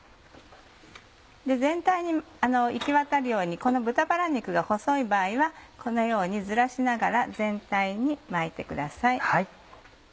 全体に行きわたるようにこの豚バラ肉が細い場合はこのようにずらしながら全体に巻いてください。